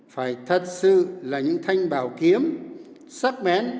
phải thật sự là những thanh bảo kiếm sắc mén